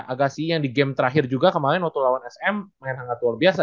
agasi yang di game terakhir juga kemarin waktu lawan sm main hangat luar biasa